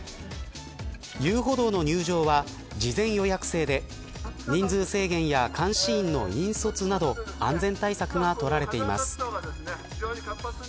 遊歩道の入場は事前予約制で人数制限や監視員の引率など安全対策が取られています。